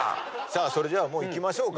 それではもういきましょうか。